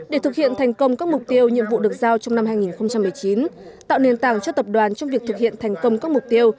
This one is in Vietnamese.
để thực hiện thành công các mục tiêu nhiệm vụ được giao trong năm hai nghìn một mươi chín tạo nền tảng cho tập đoàn trong việc thực hiện thành công các mục tiêu